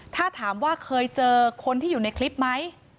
ถ้าถามว่าเคยเจอคนที่อยู่ในคลิปไหม